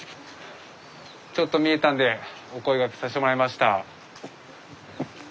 ちょっと見えたんでお声がけさせてもらいました。